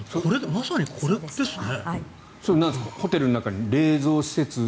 まさにこれですね。